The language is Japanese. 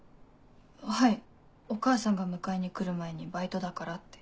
はいお母さんが迎えに来る前にバイトだからって。